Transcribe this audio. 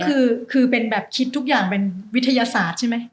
คือเป็นแบบคิดทุกอย่างเป็นวิทยาศาสตร์ใช่ไหม